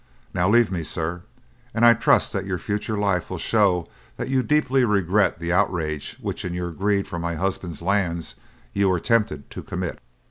Now leave me, sir, and I trust that your future life will show that you deeply regret the outrage which in your greed for my husband's lands you were tempted to commit."